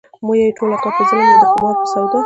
يا يې ټوله کا په ظلم يا د خُمرو په سودا